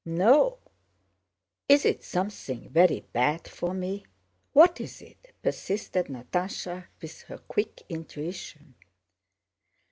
No..." "Is it something very bad for me? What is it?" persisted Natásha with her quick intuition.